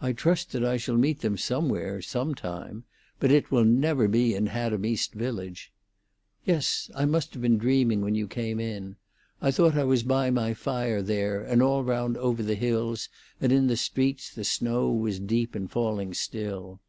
I trust that I shall meet them somewhere some time, but it will never be in Haddam East Village. Yes, I must have been dreaming when you came in. I thought that I was by my fire there, and all round over the hills and in the streets the snow was deep and falling still.